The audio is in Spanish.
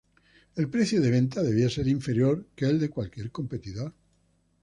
El precio de venta debía ser inferior que el de cualquier competidor.